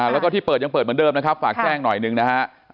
แล้วก็ที่เปิดยังเปิดเหมือนเดิมนะครับฝากแจ้งหน่อยหนึ่งนะฮะ